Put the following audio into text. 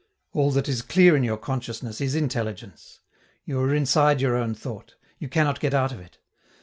All that is clear in your consciousness is intelligence. You are inside your own thought; you cannot get out of it.